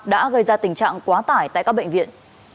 đã gây ra tình trạng quá tải tại các bệnh viện